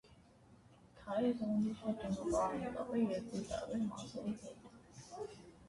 Թաիզը ունի շատ ճանապարհային կապեր երկրի տարբեր մասերի հետ։